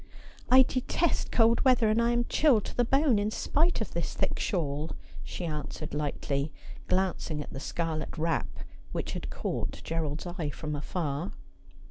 ' I detest cold weather, and I am chilled to the bono, in spite of this thick shawl,' she answered lightly, glancing at the scarlet wrap which had caught Gerald's eye from afar.